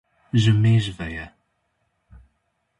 Ji mêj ve ye.